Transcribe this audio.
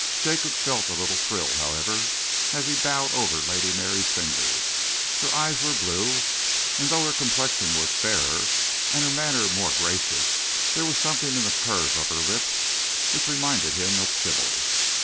Jacob felt a little thrill, however, as he bowed over Lady Mary's fingers. Her eyes were blue, and though her complexion was fairer and her manner more gracious, there was something in the curve of her lips which reminded him of Sybil.